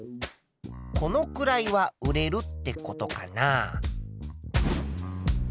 このくらいは売れるってことかな？